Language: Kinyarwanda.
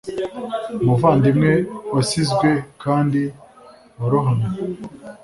umuvandimwe wasizwe kandi warohamye,